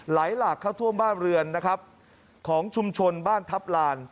ไหลหลากเข้าท่วมบ้านเรือนนะครับของชุมชนบ้านทัพลาน